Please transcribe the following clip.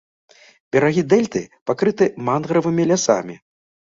Берагі дэльты пакрыты мангравымі лясамі.